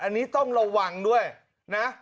อันนี้ต้องระวังด้วยนะ